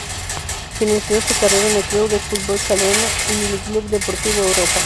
Finalizó su carrera en el Club de Futbol Calella y el Club Deportivo Europa.